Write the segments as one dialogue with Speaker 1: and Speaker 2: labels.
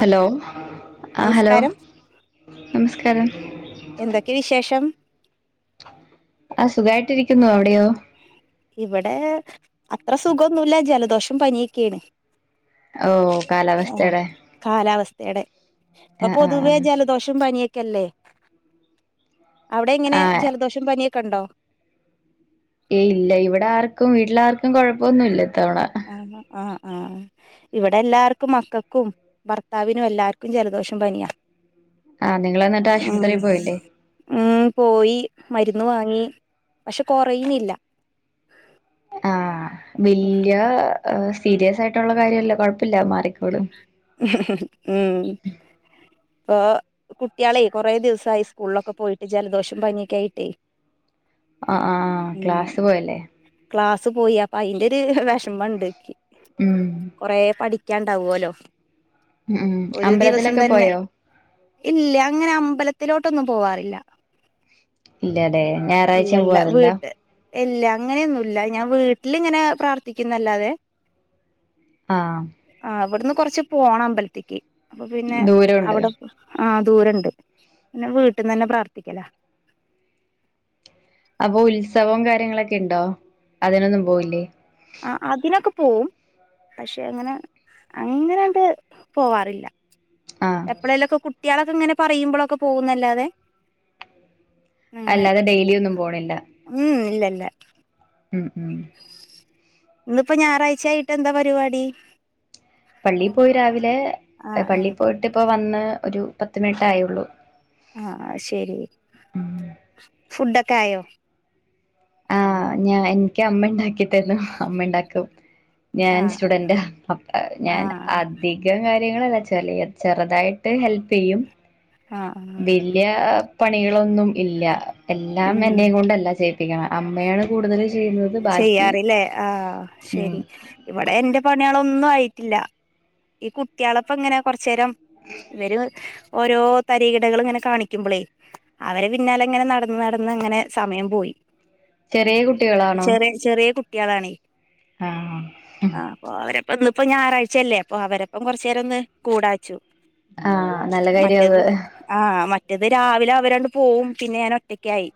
Speaker 1: Hello
Speaker 2: നമസ്ക്കാരം
Speaker 1: നമസ്ക്കാരം
Speaker 2: എന്തൊക്കെ വിശേഷം
Speaker 1: ആഹ് സുഖായിട്ടിരിക്കുന്നു അവിടെയോ
Speaker 2: ഇവിടെ അത്ര സുഖൊന്നുല്ല ജലദോഷം പനിയൊക്കേണ്
Speaker 1: ഓഹ് കാലാവസ്ഥയുടെ
Speaker 2: ഏടെ ഇപ്പൊ
Speaker 1: ആ ആ
Speaker 2: പൊതുവേ ജലദോഷം പനിയൊക്ക് ക്കെല്ലേ അവിടെ ഇങ്ങനെ
Speaker 1: ആ
Speaker 2: ജലദോഷം പനിയൊ കണ്ടോ
Speaker 1: ഏ ഇല്ല ഇവിടെ ആർക്കും വീട്ടിലാർക്കും കൊഴപ്പൊന്നുല്ല
Speaker 2: ആഹ് ആഹ് ആഹ് ഇവടെ എല്ലാർക്കും മക്കക്കും ഭർത്താവിനും എല്ലാർക്കും ജലദോഷം പനിയാ
Speaker 1: ആ നിങ്ങൾ എന്നിട്ട്
Speaker 2: ഉം
Speaker 1: ആശുപത്രിയിൽ പോയില്ലേ
Speaker 2: ഉം പോയി മരു ഒന്ന് വാങ്ങി പക്ഷെ കൊറിയിണില്ല
Speaker 1: ആഹ് വെല്യ സീരിയസായിട്ടുള്ള കാര്യവല്ലെ കുഴപ്പവില്ല മാറിക്കോളും
Speaker 2: ഉം ഇപ്പൊ കുട്ടികളെ കുറേ ദിവസായി സ്കൂളിലൊക്കെ പോയിട്ട് ജലദോഷം പനിയൊക്കെ ആയിട്ടേ
Speaker 1: ആഹ് ആഹ
Speaker 2: ഉം
Speaker 1: ക്ലാസ് പോയല്ലേ
Speaker 2: ക്ലാസ് പോയി അപ്പൊ അതിന്റൊരു വിഷമഒണ്ടെനിക്ക്
Speaker 1: ഉം
Speaker 2: കൊറെ പഠി ക്കാണ്ടാവുല്ലോ
Speaker 1: ഉം ഉം അമ്പലത്തിലൊക്കെ
Speaker 2: തന്നെ
Speaker 1: പോയോ
Speaker 2: ഇല്ല അങ്ങനെ അമ്പലത്തിലോട്ടൊന്നും പോവാറില്ല
Speaker 1: ഇല്ലല്ലെ ഞായറാഴ്ചയും
Speaker 2: ഇല്ലല്ല
Speaker 1: പോവാറില്ല
Speaker 2: വീട്ട് ഇല്ല അങ്ങനെയൊന്നുവില്ല ഞാൻ വീട്ടിലിങ്ങനെ പ്രാർത്ഥിക്കുന്നല്ലാതെ
Speaker 1: ആ
Speaker 2: ആഹ ഇവിടുന്ന് കുറച്ച് പോകണം അമ്പലത്തേക്ക് അപ്പൊ പിന്നെ
Speaker 1: ദൂരമുണ്ട്
Speaker 2: അവിടെ ആഹ ദൂരുണ്ട് പിന്നെ വീട്ടിൽന്ന് തന്നെ പ്രാർത്ഥിക്കല
Speaker 1: അപ്പൊ ഉത്സവവും കാര്യങ്ങളൊക്കെ ഉണ്ടോ അതിനൊന്നും പോവില്ലേ
Speaker 2: ആ അതിനൊക്കെ പോവും പക്ഷെ അങ്ങനെ അങ്ങനെണ്ട് പോവാറില്ല
Speaker 1: ആഹ്
Speaker 2: എപ്പഴെലൊക്കെ കുട്ട കുട്ടികളൊക്കെ ഇങ്ങനെ പറയുമ്പോഴൊക്കെ പോകുന്നല്ലാതെ അങ്ങനെ
Speaker 1: അല്ലാതെ ഡെയിലി ഒന്നും പോണില്ല
Speaker 2: അല്ല
Speaker 1: ഉം ഉം
Speaker 2: ഇന്ന്ിപ്പോ ഞായറാഴ്ച ആായിട്ട് എന്താ പരിപാടി
Speaker 1: പള്ളിയിൽ പോയി രാവിലെ
Speaker 2: ആഹ്
Speaker 1: പള്ളി പോയിട്ട് ഇപ്പ വന്ന് ഒരു പത്ത് മിനിട്ട ആയുള്ളൂ
Speaker 2: ആഹ ശരി
Speaker 1: ഉം
Speaker 2: ഫുഡ്ൊക്കെ ആയോ
Speaker 1: ആഹ് ഞാൻ എനിക്ക് അമ്മ ഉണ്ടാക്കി തന്ന അമ്മ ഉണ്ടാക്കും ഞാൻ
Speaker 2: ആഹ്
Speaker 1: സ്റ്റുഡന്റ് അ ഞാൻ
Speaker 2: ആഹ്
Speaker 1: അധികം കാര് ചെറുതായിട്ട് ഹെൽപ് ചെയ്യും
Speaker 2: ആഹ് ആഹ്
Speaker 1: വലിയ പട് നീളൊന്നുമില്ല എല്ലാം
Speaker 2: ഉം
Speaker 1: എന്നേയും കൊണ്ടല്ലചെയ്യു പ്പിക്കണെ, അമ്മയാണ് കൂടുതലും
Speaker 2: ചെയ്യാറില്ലേ ആ.. ശരി
Speaker 1: ഉം
Speaker 2: ഇവിടെയെന്റെ പണികളൊ ഒന്നുമാട്ടില്ല, ഈ കുട്ടികളൊപ്പിമിങ്ങ കൊറച്ചുനേരം വരവ് ഓരോതരികിടകളിങ്ങനെ കാണിക്കുമ്പോളേ, അവരുടെപിന്നാലെയിങ്ങനെ നടന്നുനടന്നങ്ങനെ സമയം പോയി.
Speaker 1: ചെറിയ കുട്ടികളാ
Speaker 2: ചെറിയ, ചെറിയ കുട്ടി കുട്ടികളാണേ
Speaker 1: ആഹ്
Speaker 2: ആ.. അപ്പൊയവരും ഇപ്പോ ഞായറാഴ്ചയല്ലേ അപ്പൊ അവരൊപ്പം കൊറച്ചുനേരമൊന്ന് കൂടാച്ചു.
Speaker 1: ആ.. നല്ലകാര്യവായത്
Speaker 2: എന്നും രാവിലെ അവരടുത്ത്പോവും. പിന്നെഞാനൊറ്റക്കായി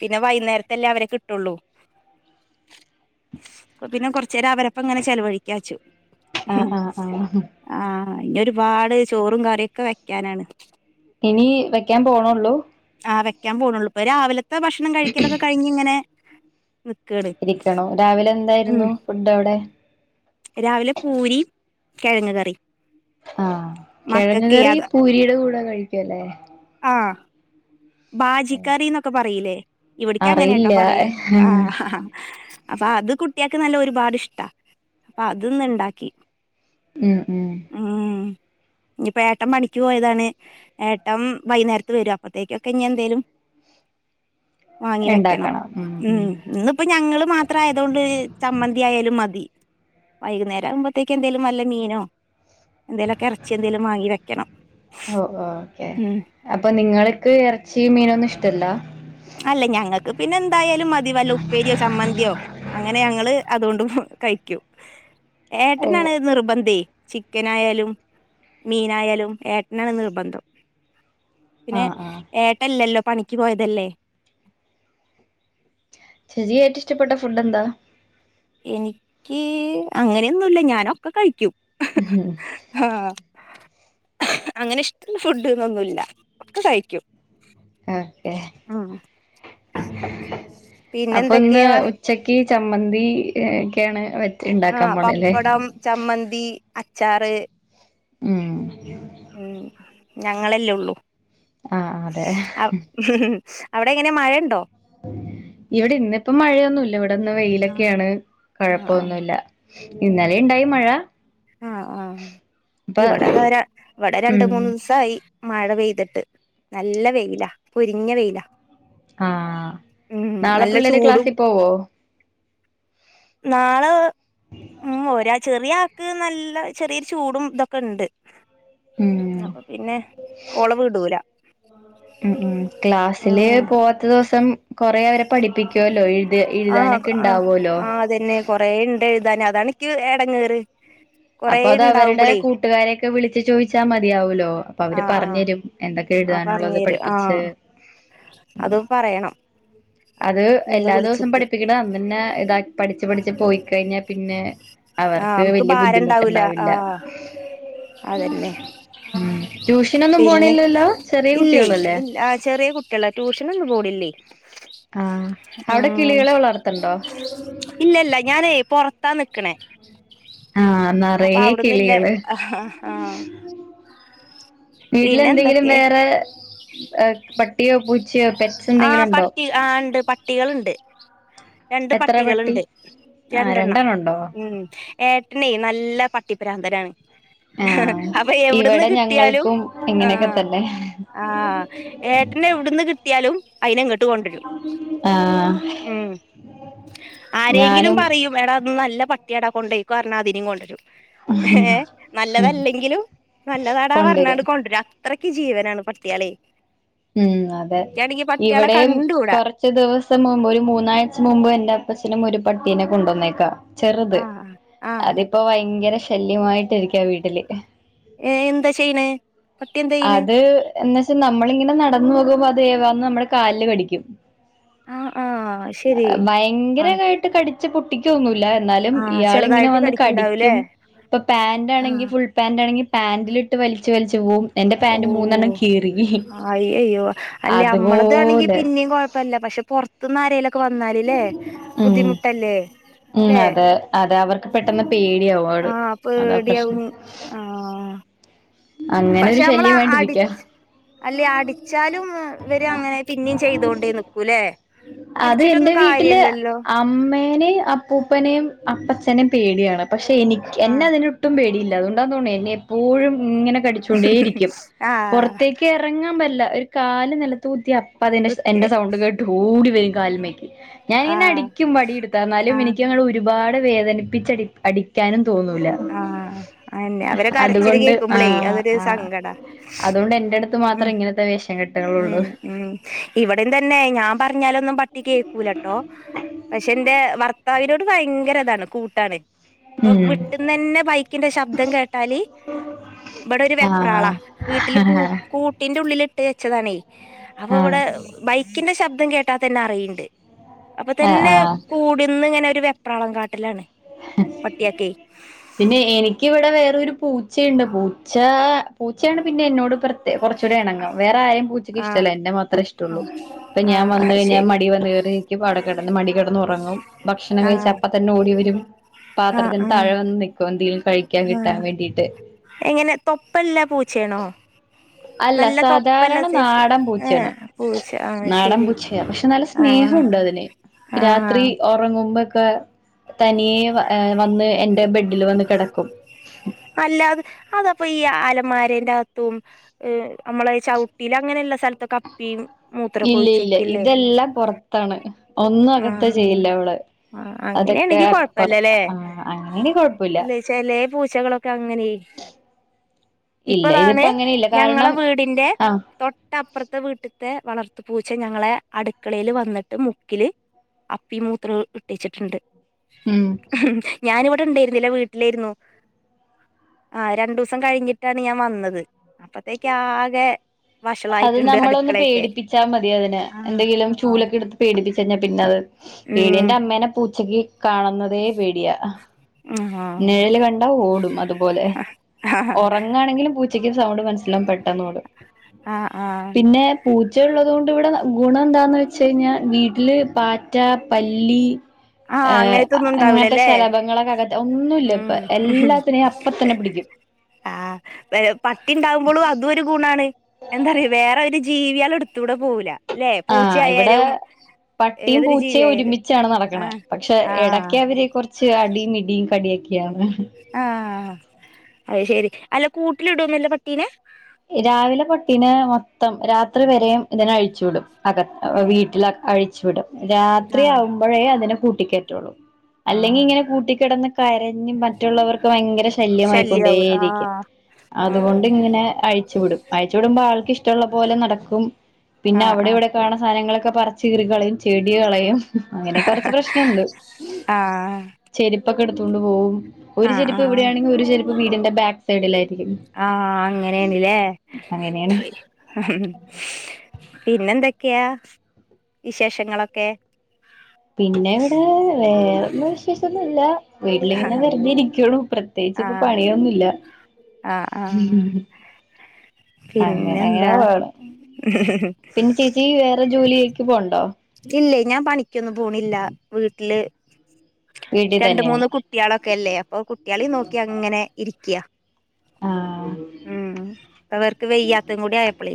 Speaker 2: പിന്നെ വൈകുന്നേരത്തെയും രാവിലത്തേയും ള്ളൂ പിന്നെ കൊറെച്ചേരം അവരപ്പങ്ങനെ ചെലവഴിക്കാച്ചു
Speaker 1: അ അ ആ
Speaker 2: ന്നൊരുപാട് ചോറുംകറിയാെക്കെ വെക്കാനാണ്
Speaker 1: ഇനി വെക്കാൻ പോണുള്ളൂ
Speaker 2: ആ വെക്കാൻ പോണുള്ളൂ ഇപ്പൊ രാവിലെ ലത്തെ ഭക്ഷണം കഴിക്കലൊക്കെ കഴിഞ്ഞിങ്ങനെ
Speaker 1: ഇരിക്കണോ
Speaker 2: ഉം
Speaker 1: രാവിലെന്തായിരുന്നു ഫുഡവ്ടെ
Speaker 2: കെഴങ്ങ്കറി
Speaker 1: ആ കെഴങ്ങ്കറി പൂരിടെ കൂടെ കഴിക്കലേ
Speaker 2: ആ ബാജിക്കറിന്നൊക്കെ പറീലേ ഇവിടക്ക് അങ്ങനെട്ടൊ
Speaker 1: അറിയില്ല
Speaker 2: പറയ ആഹഹാ അതാ അത് കുട്ടികൾക്ക് നല്ലഒരുപാടിഷ്ടാ അപ്പൊ അത്ന്ന്ണ്ടാക്കി
Speaker 1: ഉം ഉം
Speaker 2: ഇഞ്ഞ്പ്പോ ഏട്ടം പണിക്കുപോയതാണ് ഏട്ടം വൈന്നേരത്ത് വരും അപ്പത്തേക്കും കഞ്ഞിയെന്തേലും വാങ്ങിവെക്കണം ഉം ന്ന്പ്പോ ഞങ്ങള് മാത്രമായതോണ്ട് ചമ്മന്തി ആയാലും മതി വൈകുന്നേരമാകുമ്പോത്തേക്കും എന്തേലും വല്ല മീനോ എന്തേലൊക്കെ എർച്ചി എന്തേലും വാങ്ങി വെക്കണം
Speaker 1: ഓ
Speaker 2: ഉം
Speaker 1: ചീ മീനൊന്നും ഇഷ്ടല്ല
Speaker 2: അല്ല ഞങ്ങക്ക് പിന്നെ ന്തായാലും മതി വല്ല ഉപ്പേരിയോ ചമ്മന്തിയോ അങ്ങനെ ഞങ്ങള് അതുകൊണ്ട് ഫു കഴിക്കും
Speaker 1: ഓ
Speaker 2: ഏട്ടനാണ് നിർബന്ധേ ചിക്കനായാലും മീനായാലും ഏട്ടനാണ് നിർബന്ധം പിന്നെ
Speaker 1: ആഹ് ആഹ്
Speaker 2: ഏട്ടല്ലല്ലോ പണിക്ക് പോയതല്ലേ
Speaker 1: ചെരിയായിട്ട് ഇഷ്ടപ്പെട്ട ഫുഡ് എന്താ
Speaker 2: എനിക്ക് അങ്ങനെയൊന്നുംല്ല ഞാനൊക്കെ കഴിക്കും
Speaker 1: ആഹ
Speaker 2: ആഹ് അങ്ങനെ ഇഷ്ട ഫുഡ്ന്നൊന്നുല്ല ഒക്കെ കഴിക്കും
Speaker 1: ആക്കെ
Speaker 2: ഉം പിന്നെ
Speaker 1: അപ്പൊന്ന്
Speaker 2: എന്തൊക്കെയാ
Speaker 1: ഉച്ചക്ക് ചമ്മന്തിക്കെയാണ് വ
Speaker 2: ആ പപ്പടം ചമ്മന്തി അച്ചാർ ത്രേ
Speaker 1: ആ
Speaker 2: ഉം ഞങ്ങളെല്ലേ ഉള്ളൂ
Speaker 1: ആഹ് അതെ
Speaker 2: ആ അവിടെ എങ്ങനെ മഴുണ്ടോ
Speaker 1: ഇവിടെ ഇന്നിപ്പോം മഴയൊന്നുമല്ല ഇവിടെന്ന്
Speaker 2: ആഹ്
Speaker 1: വെയിലൊക്കെയാണ്
Speaker 2: ആഹ് ആഹ്
Speaker 1: കുഴപ്പമൊന്നുമല്ല ഇന്നലെ ഉണ്ടായി മഴ
Speaker 2: ആഹ ആഹ
Speaker 1: ഇപ്പൊ
Speaker 2: ഇവിടെത ഇവിടെ രണ്ട
Speaker 1: ഉം
Speaker 2: മൂന്ന്ു ദിവസയി മഴ പെയ്തിട്ട് നല്ല വെയിലാ പൊരിഞ്ഞ വെയിലാ
Speaker 1: ആഹ
Speaker 2: ഉം
Speaker 1: നാളെ
Speaker 2: നല്ല
Speaker 1: പിള്ളേരെ
Speaker 2: ചൂടും
Speaker 1: ക്ലാസ്സിൽ പോവോ
Speaker 2: നാളെ ഉം ര് ചെറിയ ക്ക് നല്ല ചെറിയൊരു ചൂടും ഇതൊക്കെ ഉണ്ട്
Speaker 1: ഉം
Speaker 2: അപ്പൊ പിന്നെ ഒളവ് ഇടൂല ഉ
Speaker 1: ഉ ഉ ക്ലാസ്സില് പോവാത്ത ദിവസം കൊറെേ അവരെ പഠിപ്പിക്കുവ ല്ല
Speaker 2: ആഹ ആ് ആ അതന്നെ കൊറേ ഉണ്ട് അതന്നെ അതാണക്ക് എടങ്ങയറ്
Speaker 1: അപ്പൊ അത് അവരുടെ കൂട്ടുകാരെയൊക്കെ വിളിച്ചച്ച് ചോദിച്ചാൽ മതിയാവലോ അപ്പൊ അവര്
Speaker 2: ആഹ്
Speaker 1: പറഞ്ഞു
Speaker 2: ആഹ്
Speaker 1: തരും എന്തൊക്കെ
Speaker 2: ആ പറഞ്ഞു
Speaker 1: എഴുതാനുള്ളത്
Speaker 2: തരും ആ
Speaker 1: പഠിപ്പിിച്ചച്ച്
Speaker 2: അത് പറയണം
Speaker 1: അത്
Speaker 2: ഇന്ന്
Speaker 1: എല്ലാ ദിവസം
Speaker 2: വിളിച്ചിട്ട്
Speaker 1: പ്പീട അന്ന തന്നെ ഇതാക്ക പഠിച്ചു പഠിച്ചു പോയി കഴിഞ്ഞാൽ പിന്നെ
Speaker 2: ആ
Speaker 1: അവർക്ക്
Speaker 2: നമുക്ക്
Speaker 1: വല്ിയ
Speaker 2: ഭാരം ഉണ്ടാവൂല ആ
Speaker 1: ബുദ്ധിമുട്ടുണ്ടാവില്ല
Speaker 2: അതന്നെ
Speaker 1: ട്യൂഷനൊന്നും
Speaker 2: പിന്നെ
Speaker 1: പോണില്ലല്ലോ ചെറിയ
Speaker 2: ഇല്ലേ
Speaker 1: കുട്ടികളല്ലേ
Speaker 2: ഇല്ല ചെറിയ കുട്ടികള ട്യൂഷനൊന്നും പോണില്ലേ
Speaker 1: ആഹ അവിടെ
Speaker 2: ഉം
Speaker 1: കിളികളെ വളർത്തണ്ടോ
Speaker 2: ഇല്ലല്ല ഞാനേ പൊറത്താ നിിക്കണേ
Speaker 1: ആഹ നിറയ കിളികള്
Speaker 2: ആ
Speaker 1: മണ്ണ് വീട്ടില
Speaker 2: പിന്നെ
Speaker 1: എന്തെങ്കിലും
Speaker 2: എന്തൊക്കെ
Speaker 1: വേറെ പട്ടിയ പൂ
Speaker 2: ആ പട്ടി ആ ഉണ്ട് പട്ടികൾുണ്ട് രണ്ട്
Speaker 1: എത്ര പട്ടി
Speaker 2: പട്ടികളുണ്ട്
Speaker 1: ആഹ്
Speaker 2: രണ്ടെണ്ണം
Speaker 1: ഉണ്ടോ
Speaker 2: ഉം ഏട്ടണ നല്ല പട്ടി ട്ടിപ്രാന്തരാണ്-
Speaker 1: ആഹ്
Speaker 2: അപ്പൊ എവിട്ന്ന്
Speaker 1: ഇവിടെ
Speaker 2: കിട്ടിയാലും
Speaker 1: ഞങ്ങൾക്കും
Speaker 2: ആ
Speaker 1: ഇങ്ങനെയൊക്കെ തന്നെ
Speaker 2: ആ ഏട്ടന് എവിട്ന്ന് കിട്ടി അയിന അങ്ങ് ട് കൊണ്ടരും
Speaker 1: ആഹ്
Speaker 2: ഉം ആരെങ്കിലും
Speaker 1: ഞാനും
Speaker 2: പറയും എട നല്ല പ ട്ടിയാട കൊണ്ട പോയ്ക്ക പറഞ്ഞാ അതിനും കൊണ്ടരും- ഏ
Speaker 1: ഉം
Speaker 2: നല്ലതല്ലെങ്കിലും നല്ലതാടാ
Speaker 1: കൊണ്ടുവരും
Speaker 2: പറഞ്ഞണ്ട് കൊണ്ടുവരാ അത്രക്ക് ജീവനാണ് പട്ടികളേ-
Speaker 1: ഉം അ അത ഇവിടെയും
Speaker 2: കണ്ടൂടാ
Speaker 1: കുറച്ച് ദിവസം മുമ്പ് ഒരു മൂന്നാഴ്ച മുമ്പ് എൻ്റ- ച്ഛനും ഒരു പട്ടീനെ കൊണ്ടുവ വന്നേക്കാം ചെറുത്
Speaker 2: ആഹ് ആഹ്
Speaker 1: അതിപ്പോ ഭയങ്കര ശല്യമായിട്ടിരിക്ക വീട്ടില്
Speaker 2: ഏ എന്താ ചെയ്യ്ണ
Speaker 1: അത് എന്നച്ചാ നമ്മളിങ്ങനെ നട ന്നുപോകുമ്പോ അതേവന്ന് നമ്മുടെ കാലിൽ കടിക്കും
Speaker 2: ആഹ് ആഹ് ശരി
Speaker 1: ഭയങ്കരമായിട്ട് കടിച്ച പുട്ട ന്നുന്നു ല ഇന്നാലും
Speaker 2: ആഹ്
Speaker 1: ഇയാൾ ഇങ്ങനെ
Speaker 2: ചെറുതായിട്ട്
Speaker 1: വന്ന് കടിക്കും
Speaker 2: കടിക്ക്ണ്ടാവുംല്ലേ
Speaker 1: ഇപ്പം പാൻറ് ആണെങ്കിൽ
Speaker 2: ആഹ്
Speaker 1: ഫുൾ പാന്റാണെങ്കിൽ- പാാന്റിലിട്ട് വലിച്ച് വലിച്ചു പോവും
Speaker 2: ഓ
Speaker 1: പാന്റ് മൂന്നെണ്ണം കീറി
Speaker 2: അയ്യ അയ്യോ അല്ലെ നമ്മള്ളത് ആണെങ്കിലും
Speaker 1: അതുപോലെ
Speaker 2: പിന്നെ കൊഴപ്പില്ല പക്ഷെ പുറത്തന്നും അരയേല്- വന്നാലല്ലേ
Speaker 1: ഉം
Speaker 2: ബുദ്ധിമുട്ടല്ലേ
Speaker 1: ഉം
Speaker 2: അല്ലേ
Speaker 1: അതെ അതെ അവർക്ക് പെട്ടെന്ന് പേടിയാവും അവള്
Speaker 2: ആഹ്
Speaker 1: അതാ പ്രശ്നം
Speaker 2: പേടിയകും ആ-
Speaker 1: അങ്ങനെ
Speaker 2: പക്ഷെ
Speaker 1: ഒരു
Speaker 2: നമ്മൾ അടി
Speaker 1: ശല്യമായിട്ടിരിക്ക
Speaker 2: അല്ലേ അടിച്ചാലും ഇവര് അങ്ങനെ പിന്നെയും ചെയ്തോണ്ടേ നിക്കൂല്ലേ
Speaker 1: അത് എന്റെ
Speaker 2: അടിച്ചിട്ടൊന്നും
Speaker 1: വീട്ടില്
Speaker 2: കാര്യല്ലല്ലോ
Speaker 1: അമ്മേനെയും അപ്പൂപ്പനെയും അപ്പച്ചനെയും പേടിയാണ് പക്ഷെ എനിക്ക് എന്നെ
Speaker 2: ആഹ്
Speaker 1: അതിനൊട്ടും പേടിയില്ല ല്ല അതുകണ്ടാന്ന തോന്ന് എന്നെ എപ്പോഴും ഇങ്ങനെ കടിച്ചൊണ്ടേയിരിക്കും
Speaker 2: ആഹ്
Speaker 1: പുറത്തേക്ക് ഇറങ്ങാൻ പല്ല ഒരു- കാല് നിലത്തൂകുത്തിയ അപ്പ് അപ്പൊ അതിന്റെ
Speaker 2: കുത്തിയ
Speaker 1: എന്റെ സൗണ്ട് കേട്ട് ഓടി വരും കാൽമേക്ക് ഞാനിങ്ങനെ
Speaker 2: ആഹ്
Speaker 1: അടിക്കും വടി എടുത്ത് എന്നാലും
Speaker 2: ആഹ്
Speaker 1: എനിക്കങ്ങട് ഒരു- ഒരുപാട് വേദനിപ്പിച്ചടി അടിക്കാനും തോന്നൂല
Speaker 2: ആഹ് അന്നെ അവരെ കരച്ചില്
Speaker 1: അതുകൊണ്ട്
Speaker 2: കേക്കും മ്മളേ
Speaker 1: ആഹ്
Speaker 2: അതൊരു
Speaker 1: ആഹ്
Speaker 2: സങ്കട
Speaker 1: അതുകൊണ്ട് എന്റെ അടുത്ത്
Speaker 2: മം
Speaker 1: മാത്രം ഇങ്ങനത്തെ വേഷം
Speaker 2: മ്
Speaker 1: കെട്ടുകളുള്ളൂ
Speaker 2: മ് ഇവിടെ തന്നെ ഞാൻ പറഞ്ഞാലൊന്നും പട്ടി കേക്കൂലട്ടോ പക്ഷേ എന്റെ ഭർത്താവിനോട് ഭയങ്കര ഇതാണ് കൂട്ടാണ് അപ്പം
Speaker 1: ഉം
Speaker 2: ഇന്ന് തന്നെ ബൈക്കിന്റെ ശബ്ദം കേട്ടാല് ഇവിടെ ഒരു വെപ്രാള വീട്ടില് കൂ
Speaker 1: ആഹ്
Speaker 2: കൂട്ടിന്റെ ഉള്ളില് ട്ടി വെച്ചതാണേ അപ്പൊ ഇവിടെ
Speaker 1: ആഹ്
Speaker 2: ബൈക്കിന്റെ ശബ് ശബ്ദം കേട്ടാതന്നെ അറിയിണ്ട് അപ്പൊ
Speaker 1: ആഹ്
Speaker 2: തന്നെ
Speaker 1: ആഹ്
Speaker 2: കൂട്ന്ന ഇങ്ങനെ ഒരു വെപ പ്രാളം കാട്ടലാണ് പട്ട്യക്കെ
Speaker 1: പിന്നെ എനിക്ക് ഇവടെ വേറൊരു പൂച്ചയുണ്ട് പൂച്ച പൂച്ചേണ് പിന്നെ എന്നോട് പ്ര കൊറച്ചൂടെ എണങ്ങുംവേറെ ആരും പൂച്ചക്ക്
Speaker 2: ആഹ്
Speaker 1: ഇഷ്ടല്ല എന്നെ മാത്രേ ഇഷ്ടുള്ളൂ
Speaker 2: ആഹ്
Speaker 1: ഇപ്പ ഞാൻ വന്ന്
Speaker 2: ആഹ്
Speaker 1: കഴിഞ്ഞാ
Speaker 2: ശരി
Speaker 1: മടി വന്ന് കേറി [unintelligible] നിക്ക്ട കിടന്ന് മടി കിടന്ന് ഉറങ്ങും ഭക്ഷണം കഴിച്ച
Speaker 2: ആഹ്
Speaker 1: അപ്പ തന്നെ ഓടിവെരും പാത്രത്തിന് താഴെ വന്ന് നിക്കും ദിൽ
Speaker 2: ഉം എങ്ങനെ തൊപ്പല്ലാ പൂച്ചേണോ
Speaker 1: അല്ല സാധാരണ നാടൻ പൂച്ചേണ്
Speaker 2: ഏഹ് പൂച്ച ആഹ്
Speaker 1: നാടൻ
Speaker 2: ശരി
Speaker 1: പൂച്ചയ പക്ഷെ നല്ല സ്നേഹം
Speaker 2: ആഹ്
Speaker 1: ഉണ്ട് അതിന് രാത്രി
Speaker 2: ആഹ്
Speaker 1: ഒറങ്ങു മു മ്പൊക്കെ തനിയെ വ വന്ന് എന്റെ ബെഡിൽ വന്ന് കെടക്കും
Speaker 2: അല്ലാതെ അതപ്പൊ ഈ അലന്മാരേന്റെ അകത്തും നമ്മളെ. ചൗട്ടില് അങ്ങനെല്ല
Speaker 1: ഇല്ല ഇല്ല ഇതെല്ലാം പൊറത്താണ് ഒന്നും അകത്ത്
Speaker 2: ആഹ്
Speaker 1: ചെയ്യില്ല അവള്
Speaker 2: ആഹ്
Speaker 1: അതെക്കെ
Speaker 2: അങ്ങനെയാണെങ്കി
Speaker 1: അ
Speaker 2: കൊഴപ്പല്ലല്ലേ
Speaker 1: അങ്ങനെ കൊഴപ്പൊല്ല
Speaker 2: ചെകെള ക്ക അങ്ങനെ
Speaker 1: ഇല്ല
Speaker 2: ഇപ്പതാണ്
Speaker 1: ഇതിപ്പോ അങ്ങനെയില്ല
Speaker 2: ഞങ്ങളെ
Speaker 1: കാരണം
Speaker 2: വീടിന്റെ
Speaker 1: ആഹ്
Speaker 2: തൊട്ടപ്പറ്ത്തെ വീട്ട ത്തെ വളർത്തു പൂച്ച ഞങ്ങളെ അടുക്കളയില് വന്നിട്ട് മുക്കില് അപ്പി മൂത്ര ഇട്ടിച്ചിട്ടുണ്ട്
Speaker 1: ഉം
Speaker 2: ഞാനിവിടെ ഇണ്ടായിരുന്നില്ല വീട്ടിലായിരുന്നു ആഹ് രണ്ടൂസം കഴിഞ്ഞിട്ടാണ് ഞാൻ വന്നത് അപ്പത്തേക്ക് ആകെ
Speaker 1: അത്
Speaker 2: വഷളായിട്ടുണ്ട്
Speaker 1: നമ്മളൊന്ന്
Speaker 2: അടുക്കളയൊക്കെ
Speaker 1: പേടിപ്പിച്ചാ മതി അതിനെ
Speaker 2: ആഹ്
Speaker 1: എന്തെങ്കിലും
Speaker 2: ആഹ്
Speaker 1: ചൂലൊക്കെ എടുത്ത് പേടിപ്പിച്ചു കഴിഞ്ഞാ പിന്നത്
Speaker 2: ഉം
Speaker 1: വീടിന്റെ അമ്മേനെ പൂ ഉച്ചക്ക് കാണുന്നതേ പേടിയാ
Speaker 2: ആ
Speaker 1: നിഴല് കണ്ട ഓടും അതുപോലെ
Speaker 2: ആ
Speaker 1: ഉറങ്ങാണെങ്കിലും പൂച്ചക്ക് സൗണ്ട് മനസ്സിലാവും പെട്ടന്നോടും
Speaker 2: ആ ആ
Speaker 1: പിന്നെ പൂച്ച ഉള്ളത് കൊണ്ട് ഇവിടെ ഗുണം എന്താന്ന് വെച്ച കയിഞ്ഞാ വീട്ടില് പാറ്റ പല്ലി
Speaker 2: ആ
Speaker 1: ഏഹ് അങ്ങനത്തെ ശലഭങ്ങളൊകെ അ
Speaker 2: മ് മ്ഹ്
Speaker 1: തന്നെ പിടിക്കും
Speaker 2: ആഹാ പട്ടിയുണ്ടാകുമ്പോളും അതും ഒരു ഗുണം ആണ് എന്താറയാ വേറൊരു ജീ ജീവിയാളെ എടുത്തൂടെ പോകൂലാ
Speaker 1: ആഹ് ഇവിടെ പട്ടിയും
Speaker 2: ഏതൊരു
Speaker 1: പൂച്ചയും
Speaker 2: ജീവിയായാലും
Speaker 1: ഒരുമിച്ചാണ്
Speaker 2: ആ
Speaker 1: നടക്കണെ പക്ഷെ
Speaker 2: ആ
Speaker 1: എടക്ക് അവര് കൊറച്ച് അടിയും ഇടിയും കടിയൊ ക്ക്യാണ്.
Speaker 2: ആഹ് അത് ശെരി അല്ല കൂട്ടിലിടോന്നുവില്ല പട്ടീനെ
Speaker 1: രാവിലെ പട്ടീനേ മൊത്തം രാത്രി വരെയും ഇതിനെ അഴിച്ചു വിടും. അകത്
Speaker 2: ഉം
Speaker 1: വീട്ടില [unintelligible] ച്ചിടും
Speaker 2: ആഹ്
Speaker 1: രാത്രിയാവുമ്പഴേ അതിനെ കൂട്ടിക്കേറ്റോള്ളു അല്ലെങ്കി
Speaker 2: ആഹ്
Speaker 1: ഇങ്ങനെ കൂട്ടീക്കിടന്ന് കരഞ്ഞും മറ്റുള്ളവർക്ക് ഭയങ്കര
Speaker 2: ശല്യാവും
Speaker 1: ശല്ല്യമായിക്കൊണ്ടേയിരിക്കും
Speaker 2: ആഹ്
Speaker 1: അതുകൊണ്ട് ഇങ്ങനേ അഴിച്ചു വിടും അഴിച്ചു വിടുമ്പോ ആൾക്ക് ഇഷ്ടോള്ള പോലെ നടക്കും പിന്നെ
Speaker 2: ആഹ്
Speaker 1: അവിടെ
Speaker 2: ആഹ്
Speaker 1: ഇവിടെക്ക കാണണ സാധനങ്ങള ക്കെ പറിച്ച് കീറികളയും. ചെടികളയും അങ്ങനെ കൊറച്ച് പ്രശ്നണ്ട്
Speaker 2: ആഹ്
Speaker 1: ചെരി പ്പെടുത്തോണ്ട് പോകും. ഒരു
Speaker 2: ആഹ് ആഹ് ആഹ്
Speaker 1: ചെരിപ്പിവിടെയാണെ ഒരു ചെരിപ്പ് വീടിന്റെ ബാക് സൈഡിലാ
Speaker 2: ആഹ് അങ്ങ അങ്ങനെയാണില്ലേ?
Speaker 1: അങ്ങനെയാണ്
Speaker 2: പിന്നെന്തൊക്കെയാ വിശേഷങ്ങളൊക്കെ?
Speaker 1: എന്ത് വിശേഷം. ഇല്ലാ. വീട്ടിലിങ്ങനെ വെറുതെ ഇരിക്കുള്ളൂ. പ്രത്യേകിച്ച് ഇപ്പ
Speaker 2: ആഹ്
Speaker 1: പണിയൊന്നുല്ല
Speaker 2: ആഹ് ആഹ്
Speaker 1: അങ്ങനെങ്ങനാ
Speaker 2: പിന്നെന്താ
Speaker 1: പോണു. പിന്നെ ചേച്ചി വേറെ ജോലിക്ക് പോണ്ടോ?
Speaker 2: ഇല്ലേ, ഞാൻ പണിക്കൊന്നും പോണില്ല വീട്ടില്
Speaker 1: വീട്ടിൽ തന്നെയാണ്
Speaker 2: രണ്ടുമൂന്ന് കുട്ടികളൊക്കെ അല്ലേ, അപ്പൊ കുട്ടികളേം നോക്കി അങ്ങനെ ഇരിക്കയാ.
Speaker 1: ആഹ്
Speaker 2: ഉം ഇപ്പവർക്ക് വെയ്യാത്തും കൂടി ആയപ്പളേ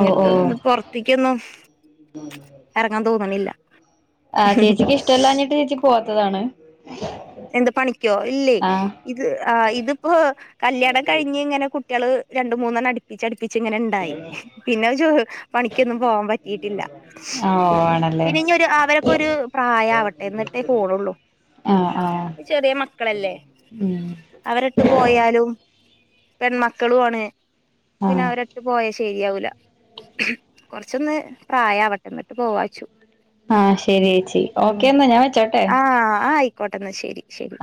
Speaker 1: ഓ ഓ
Speaker 2: പൊറത്തേക്കൊന്നും എറങ്ങാൻ തോന്നണില്ല.
Speaker 1: ആ ചേച്ചിക്ക് ഇഷ്ടല്ലാഞ്ഞിട്ട് ചേച്ചി പോവാ ത്തതാണ്.
Speaker 2: എന്ത് പണിക്കോ, ഇല്ലേ
Speaker 1: ആഹ്
Speaker 2: ഇത് ആ ഇതിപ്പോ കല്യാണം കഴിഞ്ഞ് ഇങ്ങനെ കുട് കുട്ടികള് രണ്ടുമൂന്നെണ്ണം അടുപ്പിച്ചടുപ്പി പ്പിച്ചിങ്ങനെ ഉണ്ടായി പിന്നെ പണിക്കൊന്നും പോവാൻ പറ്റീട്ടില്ല.
Speaker 1: ഓ ആണല്ലേ
Speaker 2: പിന്നെ ഇനി ഒരു അവരൊക്കെ ഒരു പ്രായാവട്ടെ എന്നിട്ടേ പോണൊള്ളൂ.
Speaker 1: ആഹ് ആഹ്
Speaker 2: ചെറിയ മക്കളല്ലേ,
Speaker 1: ഉം
Speaker 2: അവരിട്ട് പോയാലും പെൺമക്കളും ആണെ. പിന്നെ
Speaker 1: ആഹ്
Speaker 2: അവരിട്ട് പോയ ശ ശരിയാവൂല കൊറച്ചൊന്ന് പ്രായാവട്ടന്നിട്ട് പോവാച്ചു.
Speaker 1: ആ ശരി ഏച്ചീ ഓക്കെന്നാ ഞാവെച്ചോട്ടെ.
Speaker 2: ക്കോട്ടന്നാശരി. ശരി.